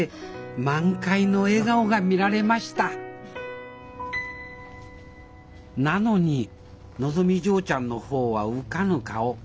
満開の笑顔が見られましたなのにのぞみ嬢ちゃんの方は浮かぬ顔。